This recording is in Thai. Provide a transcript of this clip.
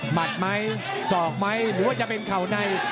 มัดไหมสอกไหมหรือว่าจะเป็นเข่าใน